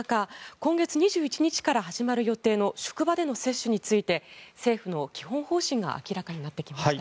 今月２１日から始まる予定の職場での接種について政府の基本方針が明らかになってきました。